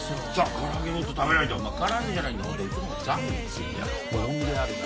唐揚げもっと食べないと唐揚げじゃないんだ